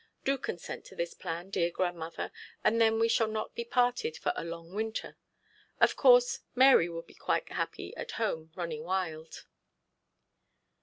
Do consent to this plan, dear grandmother, and then we shall not be parted for a long winter. Of course Mary would be quite happy at home running wild.'